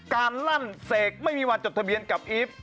ลั่นเสกไม่มีวันจดทะเบียนกับอีฟ